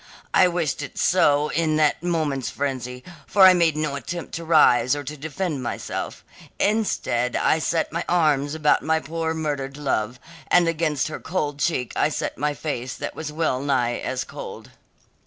I wished it so in that moment's frenzy, for I made no attempt to rise or to defend myself; instead I set my arms about my poor murdered love, and against her cold cheek I set my face that was well nigh as cold.